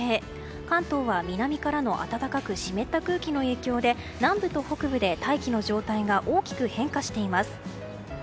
関東は南からの暖かく湿った空気の影響で南部と北部で大気の状態が大きく変化しています。